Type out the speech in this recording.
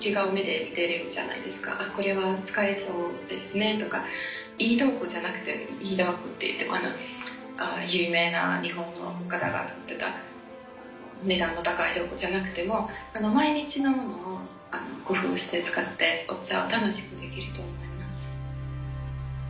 これは使えそうですねとかいい道具じゃなくても有名な日本の方が作った値段の高い道具じゃなくても毎日飲むのを工夫して使ってお茶を楽しくできると思います。